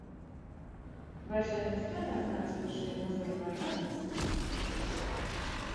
Vai šeit nestrādā kāds, kurš ir mazliet vecāks?